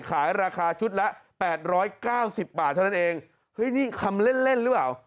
ขายราคาชุดละแปดร้อยเก้าสิบบาทเท่านั้นเองเฮ้ยนี่คำเล่นเล่นหรือเปล่า